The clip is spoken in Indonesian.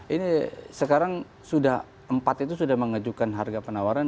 ini sekarang sudah empat itu sudah mengejukan harga penawaran